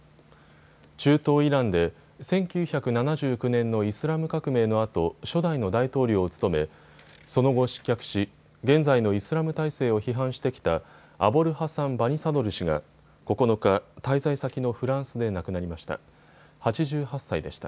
中東イランで１９７９年のイスラム革命のあと初代の大統領を務めその後失脚し現在のイスラム体制を批判してきたアボルハサン・バニサドル氏が９日、滞在先のフランスで亡くなりました。